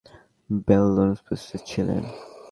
Liam Cunningham এবং Christian Bale অনুপস্থিত ছিলেন।